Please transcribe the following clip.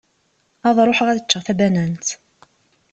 Ad ruḥeɣ ad ččeɣ tabanant.